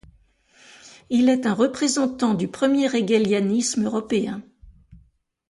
Il est un représentant du premier hégélianisme européen.